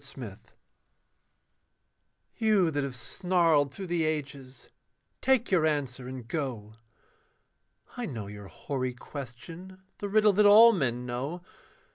THE PESSIMIST You that have snarled through the ages, take your answer and go I know your hoary question, the riddle that all men know.